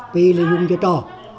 pi là dùng cho trò